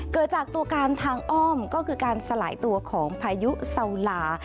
เกิดจากตัวการทางอ้อมก็คือการสลายตัวของพายุเซาลา